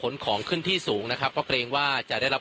ตอนนี้ผมอยู่ในพื้นที่อำเภอโขงเจียมจังหวัดอุบลราชธานีนะครับ